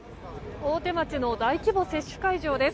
大手町の大規模接種会場です。